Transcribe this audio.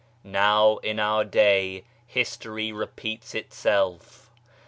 Now, in our own day, history repeats itself.